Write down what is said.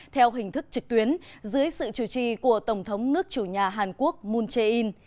theo hình thức trực tuyến dưới sự chủ trì của tổng thống nước chủ nhà hàn quốc moon jae in